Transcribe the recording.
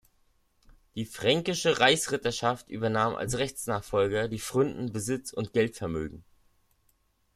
Die fränkische Reichsritterschaft übernahm als Rechtsnachfolger die Pfründen, Besitz- und Geldvermögen.